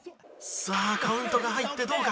さあカウントが入ってどうか？